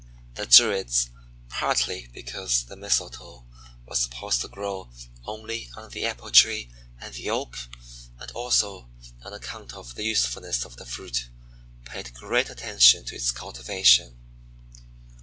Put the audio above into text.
The Druids, partly because the Mistletoe was supposed to grow only on the Apple tree and the Oak, and also on account of the usefulness of the fruit, paid great attention to its cultivation.